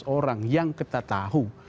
orang yang kita tahu